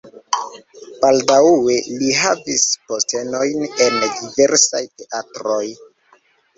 Baldaŭe li havis postenojn en diversaj teatroj.